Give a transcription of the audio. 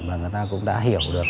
và người ta cũng đã hiểu được